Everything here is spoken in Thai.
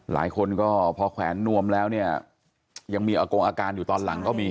หลายคนก็พอแขวนนวมแล้วเนี่ยยังมีอากงอาการอยู่ตอนหลังก็มี